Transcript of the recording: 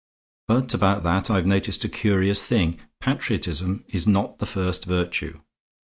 But about that I've noticed a curious thing. Patriotism is not the first virtue.